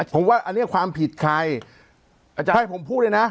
ผมว่าอันนี้ความผิดใครอาจารย์ให้ผมพูดเลยนะ